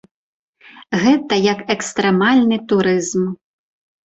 Гэта як экстрэмальны турызм.